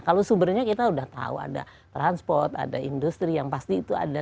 kalau sumbernya kita sudah tahu ada transport ada industri yang pasti itu ada